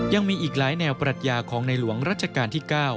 ยังมีอีกหลายแนวปรัชญาของในหลวงรัชกาลที่๙